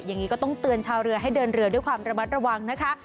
อย่างนี้ก็ต้องเตือนชาวเรือให้เดินเรือด้วยความระมัดระวังนะคะ